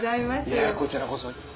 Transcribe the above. いやこちらこそ。